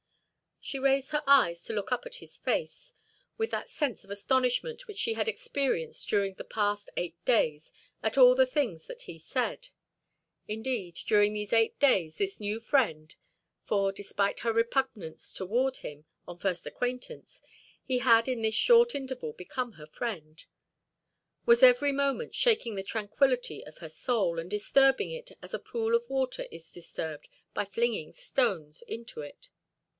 She raised her eyes to look up at his face, with that sense of astonishment which she had experienced during the past eight days at all the things that he said. Indeed, during these eight days, this new friend for, despite her repugnance toward him, on first acquaintance, he had in this short interval become her friend was every moment shaking the tranquillity of her soul, and disturbing it as a pool of water is disturbed by flinging stones into it.